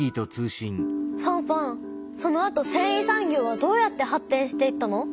ファンファンそのあとせんい産業はどうやって発展していったの？